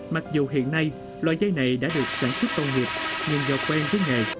mặc dù hiện nay loại dây này đã được sản xuất công nghiệp nhưng do quen với nghề